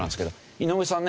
井上さんね。